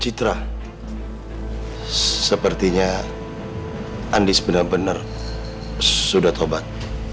citra sepertinya andis benar benar sudah tobat